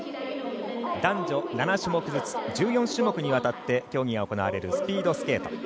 男女７種目ずつ１４種目にわたって競技が行われるスピードスケート。